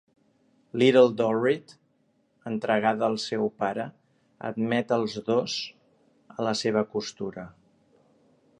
Little Dorrit, entregada al seu pare, admet els dos a la seva costura.